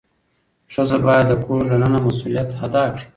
ښځه باید د کور دننه مسؤلیت ادا کړي.